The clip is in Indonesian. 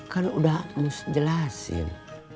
kan udah harus jelasin